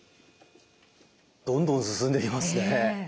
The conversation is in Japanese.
どんどん進んでいきますね。